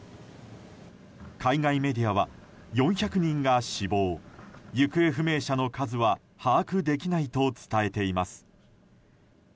海外メディアは４００人が死亡行方不明者の数は把握できないと伝えています。